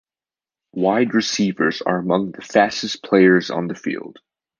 Wide receivers are among the fastest players on the field.